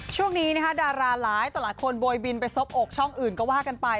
ช่วงนี้นะคะดาราหลายต่อหลายคนโวยบินไปซบอกช่องอื่นก็ว่ากันไป